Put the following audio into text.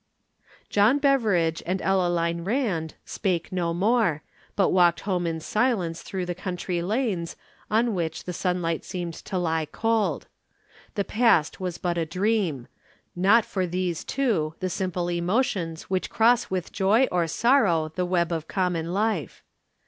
John Beveridge and Ellaline Rand spake no more, but walked home in silence through the country lanes on which the sunlight seemed to lie cold. The past was put a dream not for these two the simple emotions which cross with joy or sorrow the web of common life.